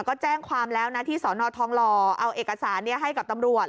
ก็แจ้งความแล้วนะที่สนทองหล่อเอาเอกสารให้กับตำรวจ